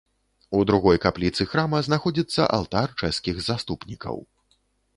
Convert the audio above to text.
У другой капліцы храма знаходзіцца алтар чэшскіх заступнікаў.